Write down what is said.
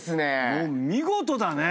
もう見事だね。